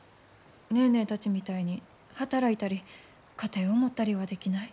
ネーネーたちみたいに働いたり家庭を持ったりはできない。